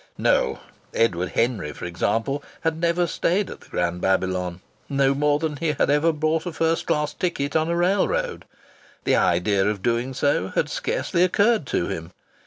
No! Edward Henry, for example, had never stayed at the Grand Babylon, no more than he had ever bought a first class ticket on a railroad. The idea of doing so had scarcely occurred to him.